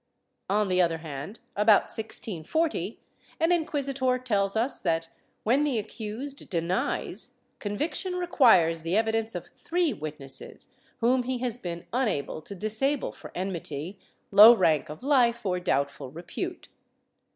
^ On the other hand, about 1640, an inquisitor tells us that, when the accused denies, conviction requires the evidence of three witnesses whom he has been unable to disable for enmity, low rank of hfe, or doubtful repute.